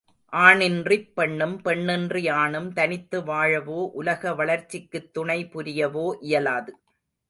ஆணின்றிப் பெண்ணும், பெண்ணின்றி ஆணும் தனித்து வாழவோ உலக வளர்ச்சிக்குத் துணை புரியவோ இயலாது.